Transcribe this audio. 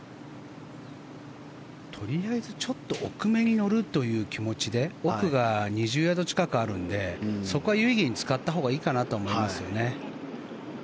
とりあえずちょっと奥めに乗るという気持ちで奥が２０ヤード近くあるのでそこは有意義に使ったほうがいいかなとは思いますよね。